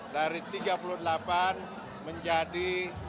dari tiga puluh delapan menjadi tujuh puluh dua